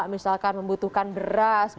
misalkan membutuhkan beras